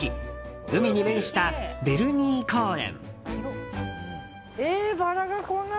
海に面したヴェルニー公園。